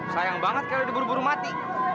sayang banget kayaknya dia buru buru mati